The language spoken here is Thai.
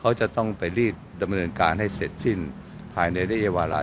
เขาจะต้องไปรีบดำเนินการให้เสร็จสิ้นภายในระยะเวลา